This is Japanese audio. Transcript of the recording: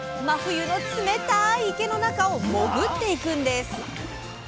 真冬の冷たい池の中を潜っていくんです。